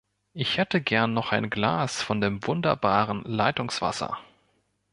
Ich hätte gern noch ein Glas von dem wunderbaren Leitungswasser.